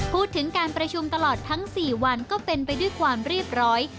พูดถึงการประชุมตลอดทั้ง๔วันก็เป็นไปด้วยความเรียบร้อย